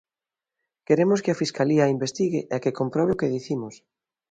"Queremos que a Fiscalía investigue e que comprobe o que dicimos".